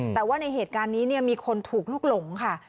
แต่ว่าในเหตุการณ์นี้มีคนถูกลุกหลงค่ะ